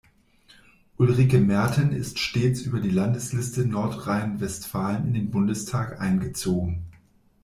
Ulrike Merten ist stets über die Landesliste Nordrhein-Westfalen in den Bundestag eingezogen.